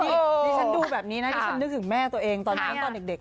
นี่ฉันดูแบบนี้นะฉันนึกถึงแม่ตัวเองตอนเด็ก